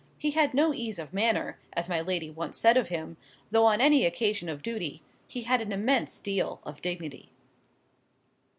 He had no ease of manner, as my lady once said of him, though on any occasion of duty, he had an immense deal of dignity.